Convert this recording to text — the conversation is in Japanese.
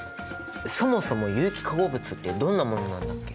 そもそも有機化合物ってどんなものなんだっけ？